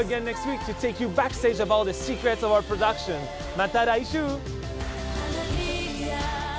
また来週！